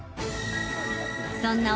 ［そんな］